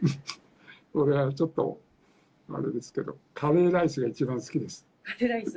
これはちょっとあれですけど、カレーライスが一番好きです。